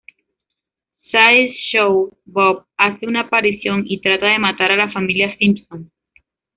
Sideshow Bob hace una aparición y trata de matar a la familia Simpson.